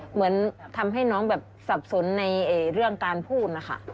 เหมือนทำให้น้องแบบสับสนในเรื่องการพูดนะคะ